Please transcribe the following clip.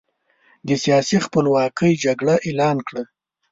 د سیاسي خپلواکۍ جګړه اعلان کړه.